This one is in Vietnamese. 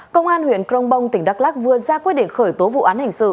công an huyện crong bong tỉnh đắk lắc vừa ra quyết định khởi tố vụ án hình sự